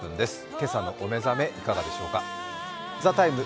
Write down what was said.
今朝のお目覚めいかがでしょうか「ＴＨＥＴＩＭＥ，」